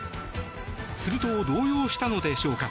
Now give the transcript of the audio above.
すると、動揺したのでしょうか